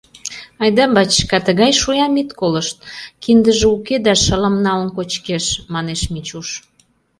— Айда, бачышка, тыгай шоям ит колышт; киндыже уке, да шылым налын кочкеш, — манеш Мичуш.